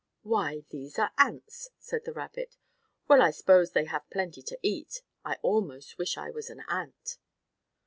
"Why, these are ants," said the rabbit. "Well, I s'pose they have plenty to eat. I almost wish I was an ant."